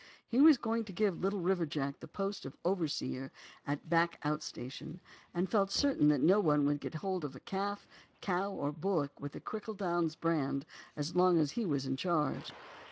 He was going to give Little River Jack the post of overseer at a back outstation, and felt certain that no one would get hold of calf, cow, or bullock with the Crichel Downs brand as long as he was in charge.